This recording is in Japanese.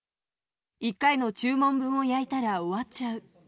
１回の注文分を焼いたら終わっちゃう。